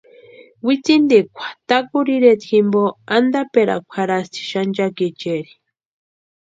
Witsintikwa Takuru ireta jimpo antaperakwa jarhasti xanchakiechari.